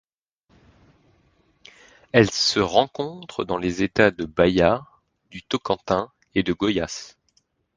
Elle se rencontre dans les États de Bahia, du Tocantins et de Goiás.